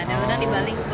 ada udang dibalik